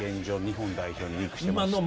日本代表にリンクしてまして。